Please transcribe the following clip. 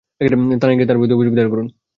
থানায় গিয়ে তার বিরুদ্ধে অভিযোগ দায়ের করুন।